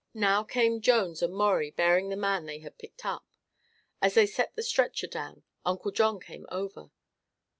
Now came Jones and Maurie bearing the man they had picked up. As they set the stretcher down, Uncle John came over.